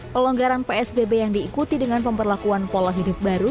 pelonggaran psbb yang diikuti dengan pemberlakuan pola hidup baru